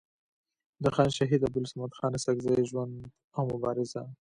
د خان شهید عبدالصمد خان اڅکزي ژوند او مبارزه